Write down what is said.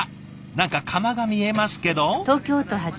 何か窯が見えますけど？